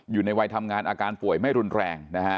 อยู่ในวัยทำงานอาการป่วยไม่รุนแรงนะฮะ